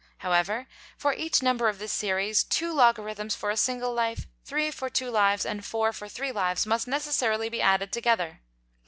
However, for each Number of this Series, two Logarithms for a single Life, three for two Lives, and four for three Lives, must necessarily be added together.